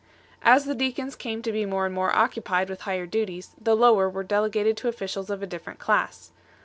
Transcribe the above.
As the deacons came to be more and more occupied with higher duties, the lower were delegated to officials of a different class.